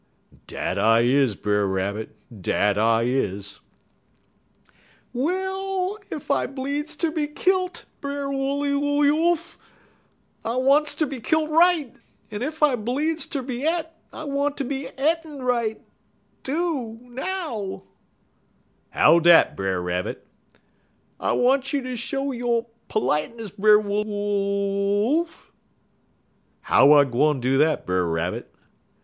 "'Dat I is, Brer Rabbit; dat I is.' "'Well, ef I blee eedz ter be kilt, Brer Wooly ooly oolf, I wants ter be kilt right, en ef I blee eedz ter be e't, I wants ter be e't ri ight, too, now!' "'How dat, Brer Rabbit?' "'I want you ter show yo' p'liteness, Brer Wooly ooly oolf!' "'How I gwine do dat, Brer Rabbit?'